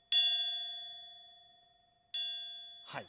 はい。